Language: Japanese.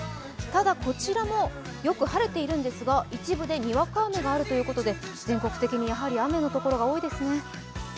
ただこちらもよく晴れているんですが一部でにわか雨があるということで、全国的に雨の所が多いですね。